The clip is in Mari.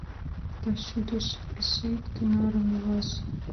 Да шӱдыш: эше ик тынарым илаш.